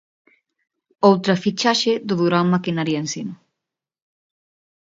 Outra fichaxe do Durán Maquinaria Ensino.